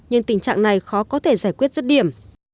nhưng tình trạng này khó có thể giải quyết rứt điểm